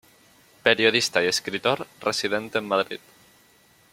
Periodista y escritor residente en Madrid.